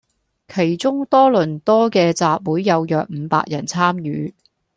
其中多倫多既集會有約伍百人參與